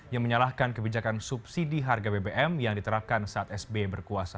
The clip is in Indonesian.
yang menyalahkan kebijakan subsidi harga bbm yang diterapkan saat sbe berkuasa